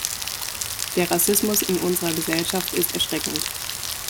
Der Rassismus in unserer Gesellschaft ist erschreckend.